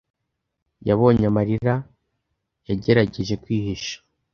Yabonye amarira yagerageje kwihisha.